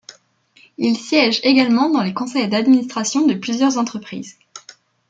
Il siège également dans les conseils d’administration de plusieurs entreprises.